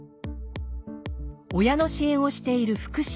親の支援をしている福祉。